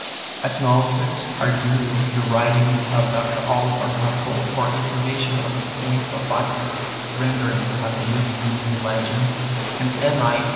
Acknowledgments are due the writings of Dr. Oliver Huckel for information on the point of Wagner's rendering of the Nibelungen legend, and M. I.